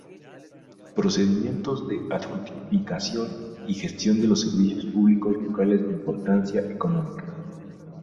Procedimientos de adjudicación y gestión de los servicios públicos locales de importancia económica.